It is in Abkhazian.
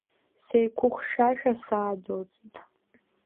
Сеиқәыхьшәашәа саадәылҵит.